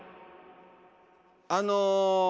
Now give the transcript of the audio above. あの。